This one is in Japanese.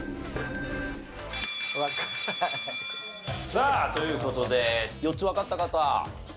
さあという事で４つわかった方？